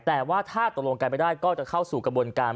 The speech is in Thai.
แต่ว่าถ้าตกลงกันไม่ได้ก็จะเข้าสู่กระบวนการ